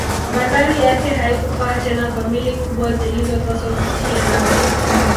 Bandari yake haikufaa tena kwa meli kubwa zilizopaswa kutia nanga